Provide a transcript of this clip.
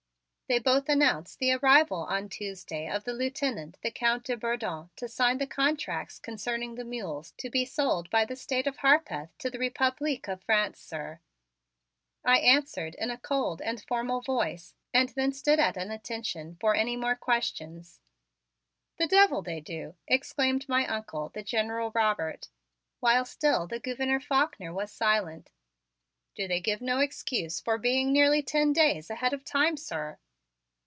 "They both announce the arrival on Tuesday of the Lieutenant, the Count de Bourdon, to sign the contracts concerning the mules to be sold by the State of Harpeth to the Republique of France, sir," I answered in a cold and formal voice and then stood at an attention for any more questions. "The devil they do!" exclaimed my Uncle, the General Robert, while still the Gouverneur Faulkner was silent. "Do they give no excuse for being nearly ten days ahead of time, sir?"